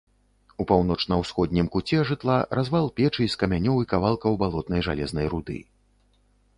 У паўночна-ўсходнім куце жытла развал печы з камянёў і кавалкаў балотнай жалезнай руды.